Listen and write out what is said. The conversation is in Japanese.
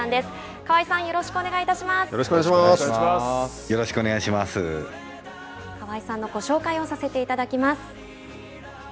河合さんのご紹介をさせていただきます。